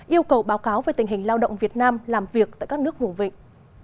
yêu cầu báo cáo về tình hình lao động việt nam làm việc tại các nước vùng vịnh